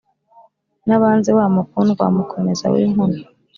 Nabanze wa Mukundwa Wa Mukomeza w’inkuna